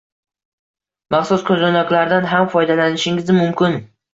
Maxsus koʻzoynaklardan ham foydalanishingiz mumkin